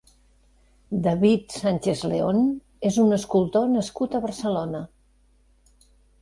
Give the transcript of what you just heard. David Sánchez León és un escultor nascut a Barcelona.